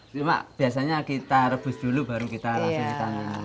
cuma biasanya kita rebus dulu baru kita langsung ditanam